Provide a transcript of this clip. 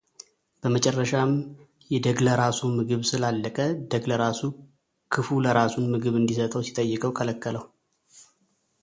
በመጨረሻም የደግለራሱ ምግብ ስላለቀ ደግለራሱ ክፉለራሱን ምግብ እንዲሰጠው ሲጠይቀው ከለከለው፡፡